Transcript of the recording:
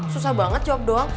susah banget jawab doang